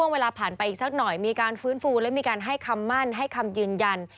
เวลาผ่านไปอีกสักหน่อยมีการฟื้นฟูและมีการให้คำมั่นให้คำยืนยัน